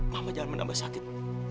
mama jangan menambah sakit